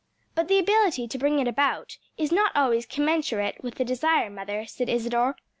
"But the ability to bring it about is not always commensurate with the desire, mother," said Isadore.